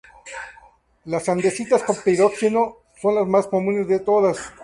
Las andesitas con piroxeno son las más comunes de todas.